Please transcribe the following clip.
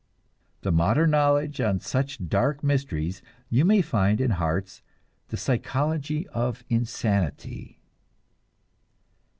The modern knowledge on such dark mysteries you may find in Hart's "The Psychology of Insanity."